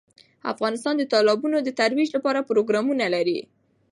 افغانستان د تالابونه د ترویج لپاره پروګرامونه لري.